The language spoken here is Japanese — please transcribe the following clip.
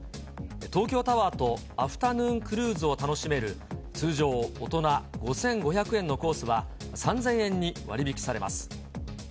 東京タワーとアフタヌーンクルーズを楽しめる通常、大人５５００円のコースは、３０００円に割り引きされます。